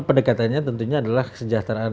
pendekatannya adalah kesejahteraan